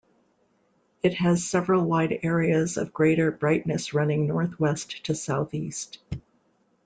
It has several wide areas of greater brightness running northwest to southeast.